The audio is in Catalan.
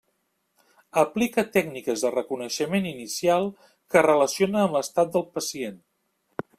Aplica tècniques de reconeixement inicial que relaciona amb l'estat del pacient.